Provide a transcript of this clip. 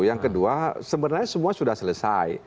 yang kedua sebenarnya semua sudah selesai